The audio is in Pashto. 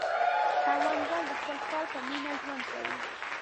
کروندګر د خپل کار په مینه ژوند کوي